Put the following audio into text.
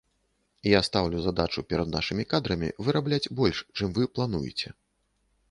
Я стаўлю задачу перад нашымі кадрамі вырабляць больш, чым вы плануеце.